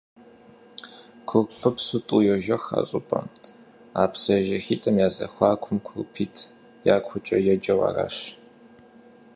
Курпыпсу тӀу йожэх а щӀыпӀэм, а псыежэхитӀым я зэхуакум «КурпитӀ якукӀэ» еджэу аращ.